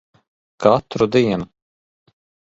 Katru dienu.